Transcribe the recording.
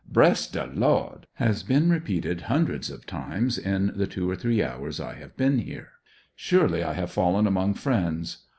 "Bress de Lord," has been repeated hundreds of times in the two or three hours I have been here. Surely I have fallen among friends.